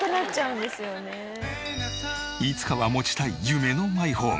いつかは持ちたい夢のマイホーム。